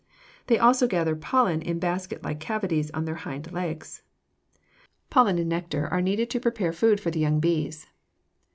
They also gather pollen in basketlike cavities in their hind legs. Pollen and nectar are needed to prepare food for the young bees.